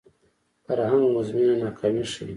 فرهنګ مزمنه ناکامي ښيي